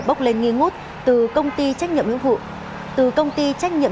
bốc lên nghi ngút từ công ty trách nhiệm